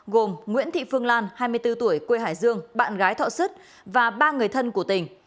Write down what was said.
gồm nguyễn thị phương lan hai mươi bốn tuổi quê hải dương bạn gái thọ sứt và ba người thân của tỉnh